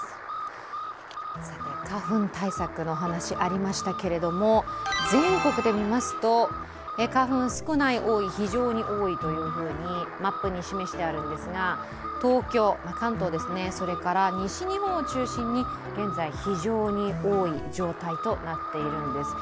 花粉対策の話ありましたけれども全国で見ますと花粉少ない、多い、非常に多いというふうにマップに示してあるんですが、東京、関東ですね、それから西日本を中心に現在、非常に多い状態となっているんです。